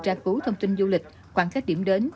tra cứu thông tin du lịch khoảng cách điểm đến